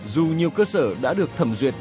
dù nhiều cơ sở đã được thẩm duyệt